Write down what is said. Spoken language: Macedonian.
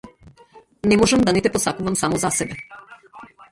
Не можам да не те посакувам само за себе!